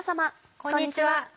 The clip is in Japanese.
こんにちは。